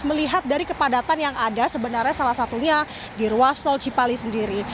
melihat dari kepadatan yang ada sebenarnya salah satunya di ruas tol cipali sendiri